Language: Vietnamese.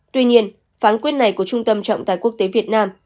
tuy nhiên phán quyết này của trung tâm trọng tài quốc tế việt nam